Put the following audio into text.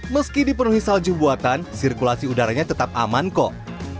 meski dipenuhi salju buatan sirkulasi udaranya tetap aman kok